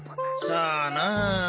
さあな。